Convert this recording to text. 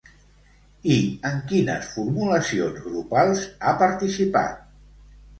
I en quines formulacions grupals ha participat?